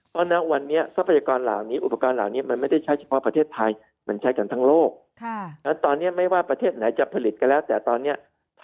เพราะนะวันนี้ทรัพยากรเหล่านี้อุปกรณ์เหล่านี้มันไม่ได้ใช้เฉพาะประเทศไทย